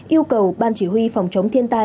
yêu cầu ban chỉ huy phòng chống thiên tai